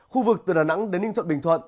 khu vực từ đà nẵng đến ninh thuận bình thuận